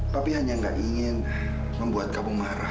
tapi hanya gak ingin membuat kamu marah